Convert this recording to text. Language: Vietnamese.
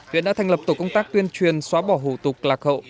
viện đã thành lập tổ công tác tuyên truyền xóa bỏ hồ tục lạc hậu